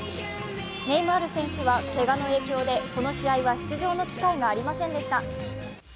ネイマール選手はけがの影響でこの試合は出場の機会がありませんでした。